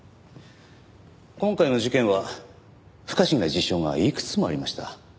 今回の事件は不可思議な事象がいくつもありました。